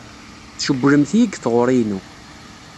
Tcewwlemt-iyi deg tɣuri-inu.